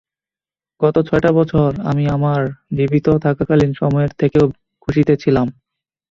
গত ছয়টা বছর, আমি আমার জীবিত থাকাকালীন সময়ের থেকেও খুশিতে ছিলাম।